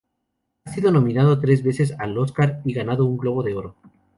Ha sido nominado tres veces al Oscar y ha ganado un Globo de Oro.